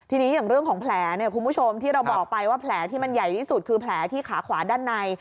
ทีนี้อย่างเรื่องของแผลเนี่ยคุณผู้ชมที่เราบอกไปว่าแผลที่มันใหญ่ที่สุดคือแผลที่ขาขวาด้านใน